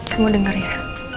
kamu denger ya